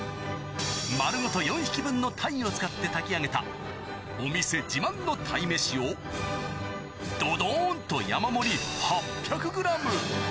丸ごと４匹分の鯛を使って炊き上げたお店自慢の鯛めしをどどーんと山盛り、８００グラム。